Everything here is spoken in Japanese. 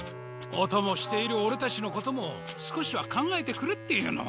おともしているオレたちのことも少しは考えてくれっていうの。